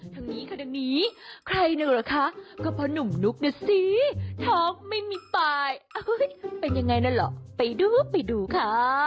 ทางนี้ค่ะดังนี้ใครหนึ่งเหรอคะก็เพราะหนุ่มนุ๊กนะสิท้องไม่มีตายเป็นยังไงนั่นเหรอไปดูไปดูค่ะ